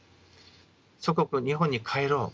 祖国日本に帰ろう。